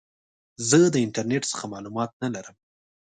زه د انټرنیټ څخه معلومات نه لرم.